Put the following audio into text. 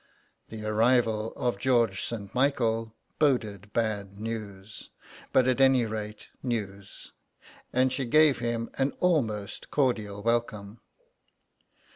The arrival of George St. Michael boded bad news, but at any rate news, and she gave him an almost cordial welcome.